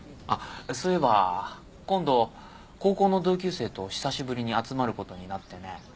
あっそういえば今度高校の同級生と久しぶりに集まることになってね。